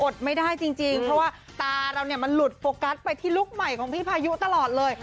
ไม่ได้จริงเพราะว่าตาเราเนี่ยมันหลุดโฟกัสไปที่ลุคใหม่ของพี่พายุตลอดเลย